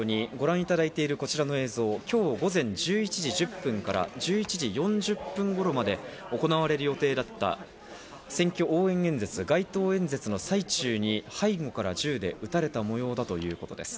お伝えしていますように、ご覧いただいているこちらの映像、今日午前１１時１０分から１１時４０分頃まで行われる予定だった選挙応援演説、街頭演説の最中に背後から銃で撃たれたものだということです。